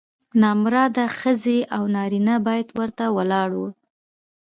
نامراده ښځې او نارینه به ورته ولاړ وو.